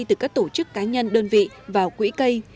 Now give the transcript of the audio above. từ các tổ chức cá nhân đơn vị vào quỹ cây